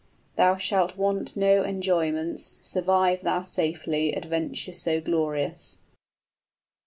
Thou shalt want no enjoyments, Survive thou safely adventure so glorious!"